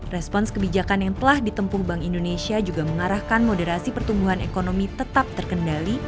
respons kebijakan yang telah ditempuh bank indonesia juga mengarahkan moderasi pertumbuhan ekonomi tetap terkendali